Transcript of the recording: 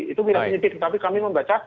itu wilayah penyidikan tapi kami membaca